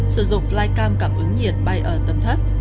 sử dụng flycam cảm ứng nhiệt bay ở tầm thấp